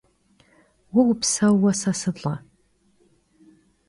Vue vupseuue se sılh'e!